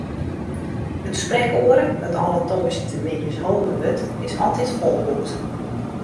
It sprekoere, dat alle tongersdeitemiddeis holden wurdt, is altyd folboekt.